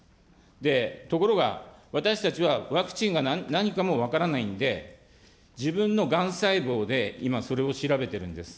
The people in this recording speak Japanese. で、ところが私たちはワクチンが何かも分からないんで、自分のがん細胞で今、それを調べてるんです。